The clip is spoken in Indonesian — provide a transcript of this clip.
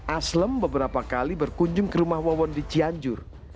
aslem beberapa kali berkunjung ke rumah wawon di cianjur